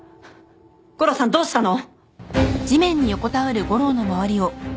悟郎さんどうしたの！？